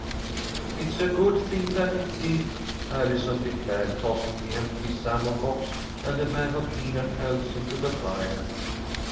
"It's a good thing that it did," Allison declared, tossing the empty salmon box and a bag of peanut shells into the fire.